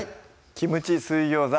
「キムチ水餃子」